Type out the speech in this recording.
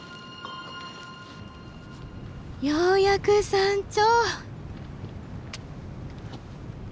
ようやく山頂。